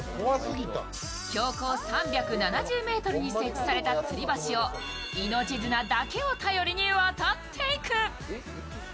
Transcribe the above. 標高３７０ｍに設置されたつり橋を命綱だけを頼りに渡っていく。